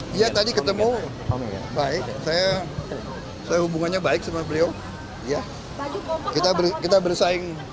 dia tadi ketemu baik hubungannya baik sama beliau